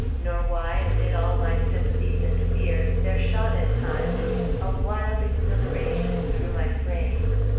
Nor why, amid all my sympathies and fears, there shot, at times, a wild exhilaration through my frame.